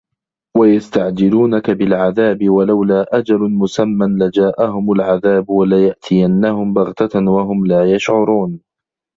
وَيَستَعجِلونَكَ بِالعَذابِ وَلَولا أَجَلٌ مُسَمًّى لَجاءَهُمُ العَذابُ وَلَيَأتِيَنَّهُم بَغتَةً وَهُم لا يَشعُرونَ